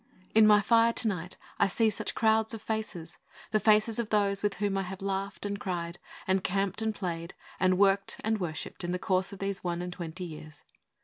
In my fire to night I see such crowds of faces the faces of those with whom I have laughed and cried, and camped and played, and worked and worshipped in the course of these one and twenty years.